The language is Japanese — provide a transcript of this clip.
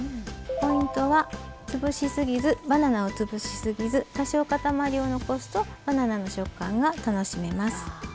ポイントはつぶしすぎずバナナをつぶしすぎず多少塊を残すとバナナの食感が楽しめます。